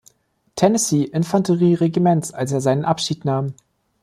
Tennessee Infanterie-Regiments, als er seinen Abschied nahm.